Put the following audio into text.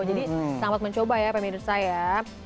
jadi selamat mencoba ya pemirsa ya